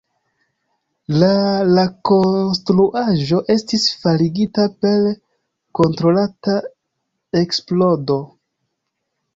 La la konstruaĵo estis faligita per kontrolata eksplodo.